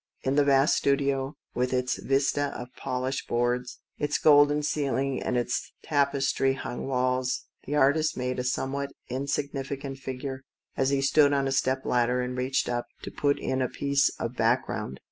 In the vast studio, with its vista of polished boards, its golden ceiling, and its tapestry . hung walls, the artist made a somewhat insig nificant figure, as he stood on a step ladder and reached up to put in a piece of back ground.